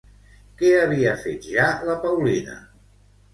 Què havia fet ja la Paulina?